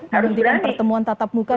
berhentikan pertemuan tatap muka